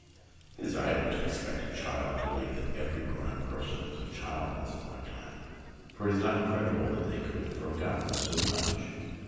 It is idle to expect a child to believe that every grown up person was a child once upon a time, for it is not credible that they could have forgotten so much.